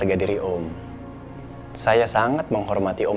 jadi saya harus paham